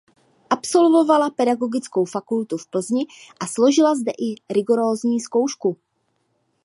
Absolvovala pedagogickou fakultu v Plzni a složila zde i rigorózní zkoušku.